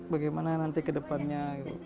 bagaimana nanti ke depannya